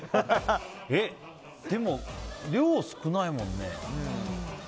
でも、量少ないもんね。